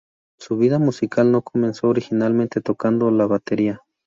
Su vida musical no comenzó originalmente tocando la batería.